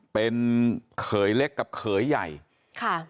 เป็นเขยเล็กกับเขยใหญ่ค่ะ